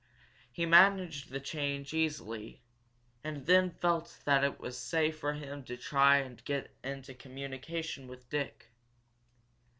He managed the change easily, and then felt that it was safe for him to try and get into communication with Dick.